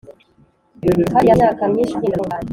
kandi yamaze imyaka myinshi agenda atunganye.